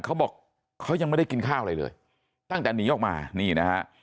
เขาบอกเขายังไม่ได้กินข้าวอะไรเลยตั้งแต่หนีออกมานี่นะฮะ